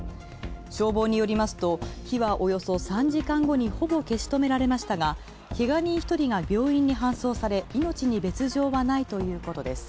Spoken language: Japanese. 消防によりますとほぼ消し止められましたが、けが人一人が病院に搬送され、命に別状はないということです。